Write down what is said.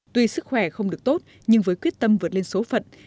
tuy sức khỏe không được tốt nhưng với quyết tâm vượt lên số phận